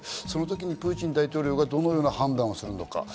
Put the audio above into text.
そのときにプーチン大統領がどのような判断をするのか。